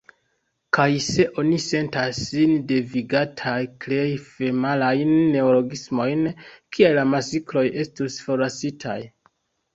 Kaj se oni sentas sin devigataj krei femalajn neologismojn, kial la maskloj estus forlasitaj?